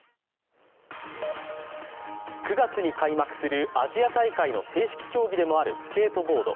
９月に開幕するアジア大会の正式競技でもあるスケートボード。